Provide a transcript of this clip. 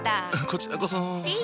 こちらこそ。